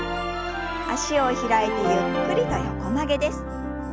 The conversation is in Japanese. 脚を開いてゆっくりと横曲げです。